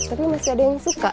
tapi masih ada yang suka